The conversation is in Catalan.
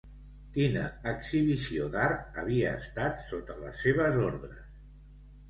Quina exhibició d'art havia estat sota les seves ordres?